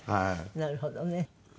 なるほどね。